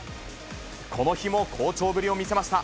この日も好調ぶりを見せました。